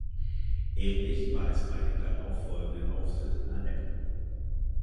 Ähnlich war es beim darauf folgenden Auftritt in Aleppo.